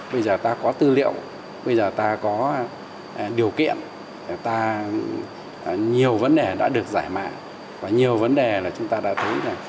bây giờ ta có tư liệu bây giờ ta có điều kiện ta nhiều vấn đề đã được giải mã và nhiều vấn đề là chúng ta đã thấy là